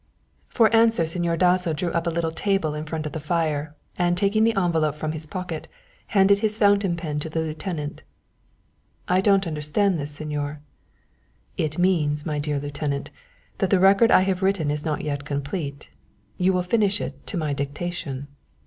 For answer, Señor Dasso drew up a little table in front of the fire, and taking the envelope from his pocket, handed his fountain pen to the Lieutenant. "I don't understand this, Señor." "It means, my dear lieutenant, that the record I have written is not yet complete. You will finish it to my dictation."